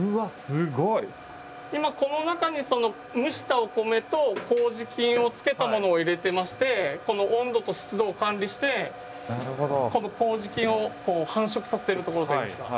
今この中に蒸したお米とこうじ菌を付けたものを入れてましてこの温度と湿度を管理してこうじ菌を繁殖させるところといいますか。